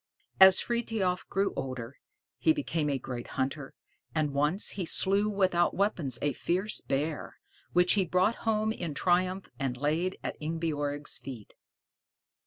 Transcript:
As Frithiof grew older, he became a great hunter, and once he slew without weapons a fierce bear, which he brought home in triumph and laid at Ingebjorg's feet.